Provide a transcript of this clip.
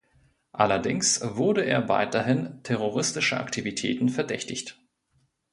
Allerdings wurde er weiterhin terroristischer Aktivitäten verdächtigt.